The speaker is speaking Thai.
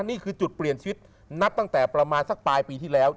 นี่คือจุดเปลี่ยนชีวิตนับตั้งแต่ประมาณสักปลายปีที่แล้ว